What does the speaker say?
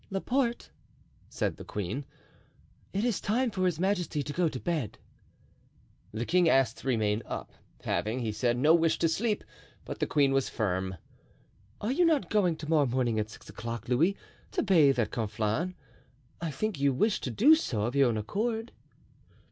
"Laporte," said the queen, "it is time for his majesty to go to bed." The king asked to remain up, having, he said, no wish to sleep; but the queen was firm. "Are you not going to morrow morning at six o'clock, Louis, to bathe at Conflans? I think you wished to do so of your own accord?"